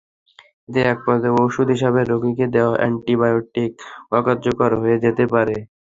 এতে একপর্যায়ে ওষুধ হিসেবে রোগীকে দেওয়া অ্যান্টিবায়োটিক অকার্যকর হয়ে যেতে পারে।